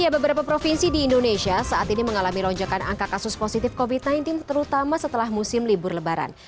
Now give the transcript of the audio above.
beberapa provinsi di indonesia saat ini mengalami lonjakan angka kasus positif covid sembilan belas terutama setelah musim libur lebaran